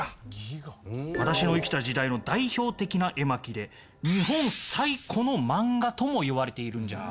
私の生きた時代の代表的な絵巻で日本最古の漫画ともいわれているんじゃ。